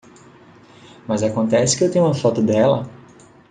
Mas acontece que eu tenho uma foto dela.